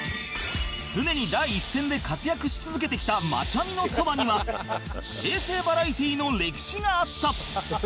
常に第一線で活躍し続けてきたマチャミのそばには平成バラエティの歴史があった